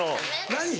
何？